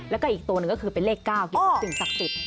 แล้วก็อีกตัวหนึ่งก็คือเป็นเลข๙สิ่งศักดิ์